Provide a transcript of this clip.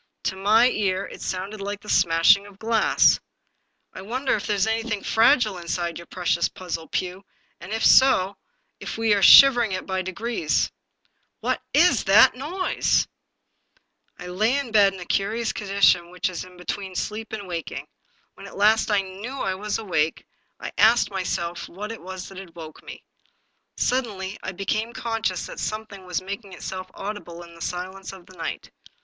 To my ear, it sounded like the smash ing of glass. " I wonder if there is anything fragile in side your precious puzzle, Pugh, and, if so, if we are shivering it by degrees ?" 246 The Puzzle II " What is that noise ?" I lay in bed in that curious condition which is between sleep and waking. When, at last, I knew that I was awake, I asked myself what it was that had woke me. Suddenly I became conscious that something was making itself audible in the silence of the night.